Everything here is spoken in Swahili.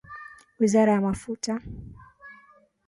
Wizara ya Mafuta